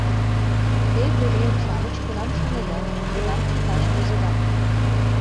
Те, пӧръеҥ-шамыч, кунам шонеда, тунам кӱпаш возыда.